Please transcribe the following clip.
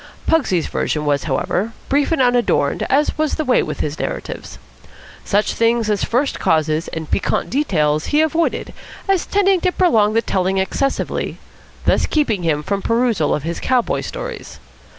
Pugsy's version was, however, brief and unadorned, as was the way with his narratives. Such things as first causes and piquant details he avoided, as tending to prolong the telling excessively, thus keeping him from perusal of his cowboy stories.